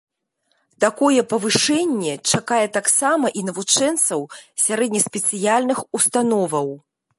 Такое павышэнне чакае таксама і навучэнцаў сярэднеспецыяльных установаў.